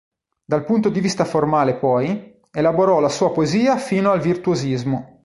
Dal punto di vista formale poi, elaborò la sua poesia fino al virtuosismo.